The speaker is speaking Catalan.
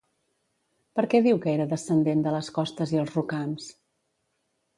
Per què diu que era descendent de les costes i els rocams?